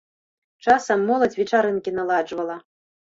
Часам моладзь вечарынкі наладжвала.